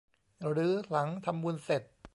หรือหลังทำบุญเสร็จ